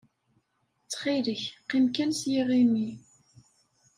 Ttxil-k, qqim kan s yiɣimi.